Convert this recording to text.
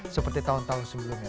seperti tahun tahun sebelumnya